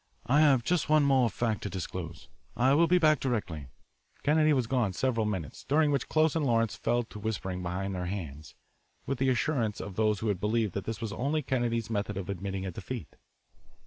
"I have just one more fact to disclose. I will be back directly." Kennedy was gone several minutes, during which Close and Lawrence fell to whispering behind their hands, with the assurance of those who believed that this was only Kennedy's method of admitting a defeat.